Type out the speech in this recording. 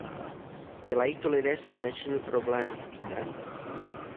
Dělají to lidé s finančními problémy, víte?